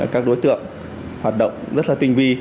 các đối tượng hoạt động rất là tinh vi